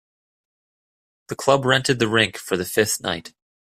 The club rented the rink for the fifth night.